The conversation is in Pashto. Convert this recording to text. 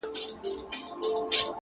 نظم د سترو پلانونو بنسټ جوړوي!